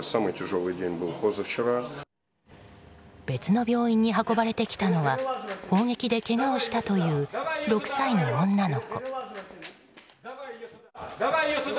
別の病院に運ばれてきたのは砲撃でけがをしたという６歳の女の子。